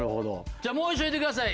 じゃあもう一度言うてください